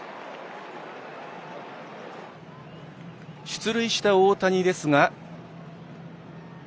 出塁した大谷ですが。